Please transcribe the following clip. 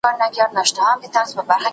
د حکومت امر په بشپړه توګه اجرا کېده.